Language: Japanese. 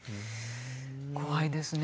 怖いですね。